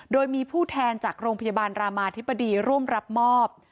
โดยมีผู้แทนจากโรงพยาบาลรามาธิบดีร่วมรับมอบ